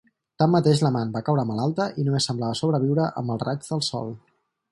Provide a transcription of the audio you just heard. Tanmateix l'amant va caure malalta i només semblava sobreviure amb els raigs del sol.